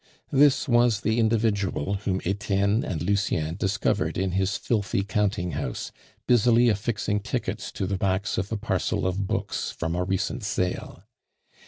This was the individual whom Etienne and Lucien discovered in his filthy counting house, busily affixing tickets to the backs of a parcel of books from a recent sale.